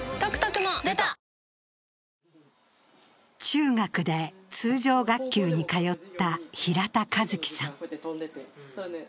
中学で通常学級に通った平田和毅さん。